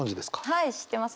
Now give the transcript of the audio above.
はい知ってます